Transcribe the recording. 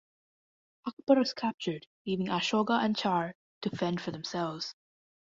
Ackbar is captured, leaving Ahsoka and Char to fend for themselves.